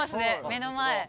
目の前。